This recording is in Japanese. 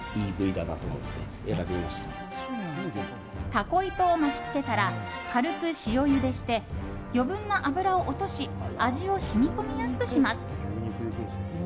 タコ糸を巻きつけたら軽く塩ゆでして余分な脂を落とし味を染み込みやすくします。